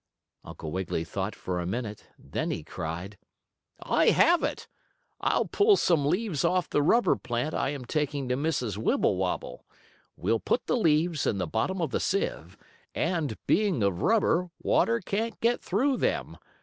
Uncle Wiggily thought for a minute. Then he cried: "I have it! I'll pull some leaves off the rubber plant I am taking to Mrs. Wibblewobble. We'll put the leaves in the bottom of the sieve, and, being of rubber, water can't get through them.